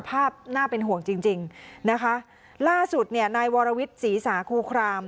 น่าเป็นห่วงจริงจริงนะคะล่าสุดเนี่ยนายวรวิทย์ศรีสาคูคราม